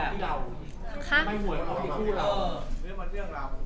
เรายามนานเกินไปหรือเปล่า